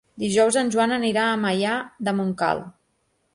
Dijous en Joan anirà a Maià de Montcal.